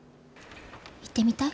行ってみたい？